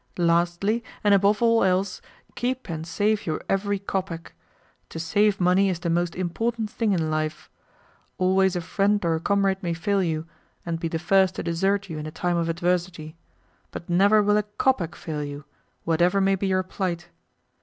Lastly, and above all else, keep and save your every kopeck. To save money is the most important thing in life. Always a friend or a comrade may fail you, and be the first to desert you in a time of adversity; but never will a KOPECK fail you, whatever may be your plight.